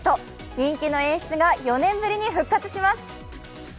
人気の演出が４年ぶりに復活します。